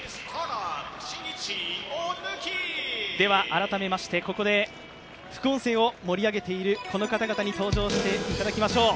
改めまして、ここで副音声を盛り上げているこの方々に登場していただきましょう。